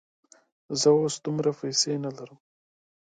زه اوس دومره پیسې نه لرم.